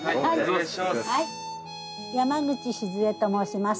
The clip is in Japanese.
山口静江と申します。